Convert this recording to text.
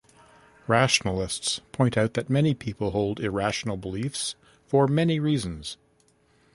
Rationalists point out that many people hold irrational beliefs, for many reasons.